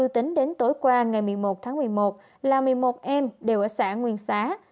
tính đến tối qua ngày một mươi một tháng một mươi một là một mươi một em đều ở xã nguyên xá